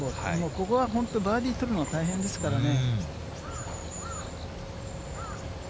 ここは本当、バーディー取るの大変ですからね。